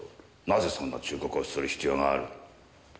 なぜそんな忠告をする必要がある？